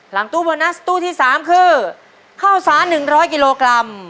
หลังตู้โบนัสตู้ที่สามคือเข้าสานหนึ่งร้อยกิโลกรัม